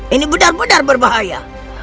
ini benar benar berbahaya